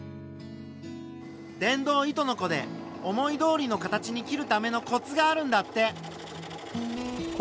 電動糸のこで思いどおりの形に切るためのコツがあるんだって。